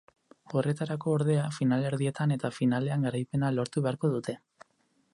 Horretarako, ordea, finalerdietan eta finalean garaipena lortu beharko dute.